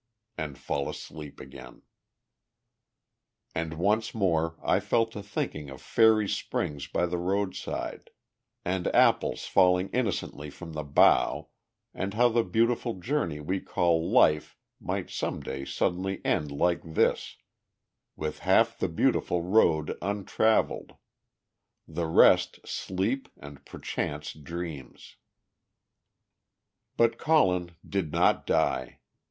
and fall asleep again. And once more I fell to thinking of fairy springs by the roadside, and apples falling innocently from the bough, and how the beautiful journey we call life might some day suddenly end like this, with half the beautiful road untravelled the rest sleep and perchance dreams. But Colin did not die.